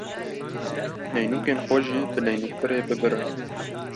Neynûkên xwe jî bi neynûkbirê bibirin.